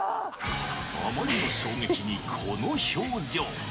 あまりの衝撃にこの表情。